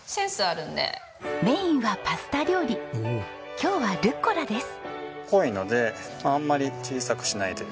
おお。今日はルッコラです。